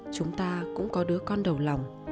chúng ta cũng có đứa con đầu lòng